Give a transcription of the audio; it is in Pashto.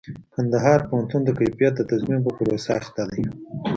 کندهار پوهنتون د کيفيت د تضمين په پروسه اخته دئ.